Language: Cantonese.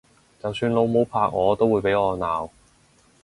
就算老母拍我都會俾我鬧！